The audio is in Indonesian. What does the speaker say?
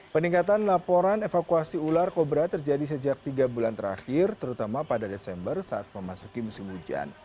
peningkatan laporan evakuasi ular kobra terjadi sejak tiga bulan terakhir terutama pada desember saat memasuki musim hujan